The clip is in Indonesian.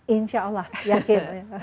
insya allah yakin